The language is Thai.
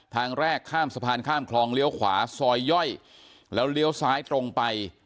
ทางแรกข้ามสะพานข้ามคลองเลี้ยวขวาซอยย่อยแล้วเลี้ยวซ้ายตรงไป